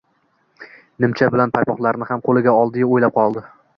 Nimcha bilan paypoqlarni ham qo`liga oldi-yu o`ylab qoldi